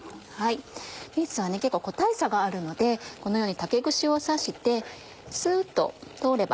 ビーツは結構個体差があるのでこのように竹串を刺してスっと通れば。